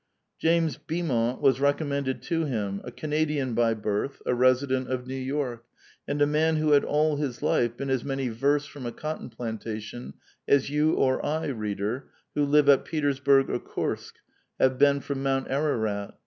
James Beaumont was recommended to him — a Canadian by birth, a resident of New York, and a man who had all his life been as many versts from a cotton plan tation as you or 1, reader, who live at Petereburg or Kursk, have been from Mount Ararat.